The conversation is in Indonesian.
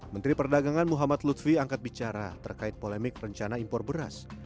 menteri perdagangan muhammad lutfi angkat bicara terkait polemik rencana impor beras